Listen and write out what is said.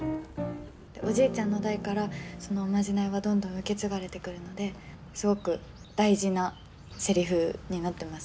おじいちゃんの代からそのおまじないはどんどん受け継がれてくるのですごく大事なせりふになってます。